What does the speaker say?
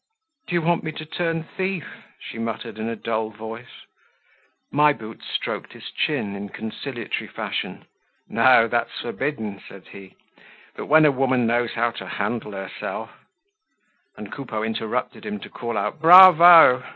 "Do you want me to turn thief?" she muttered, in a dull voice. My Boots stroked his chin in conciliatory fashion. "No, that's forbidden," said he. "But when a woman knows how to handle herself—" And Coupeau interrupted him to call out "Bravo!"